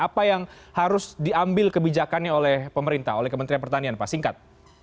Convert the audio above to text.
apa yang harus diambil kebijakannya oleh pemerintah oleh kementerian pertanian pak singkat